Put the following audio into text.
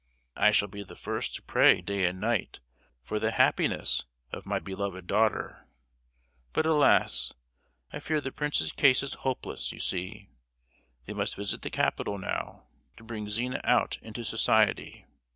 I shall be the first to pray day and night for the happiness of my beloved daughter! But alas! I fear the prince's case is hopeless; you see, they must visit the capital now, to bring Zina out into society.